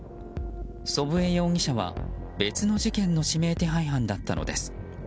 祖父江容疑者は、別の事件の指名手配犯だったのです。